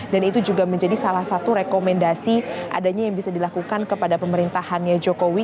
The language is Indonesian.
dan itu juga menjadi salah satu rekomendasi adanya yang bisa dilakukan kepada pemerintahannya jokowi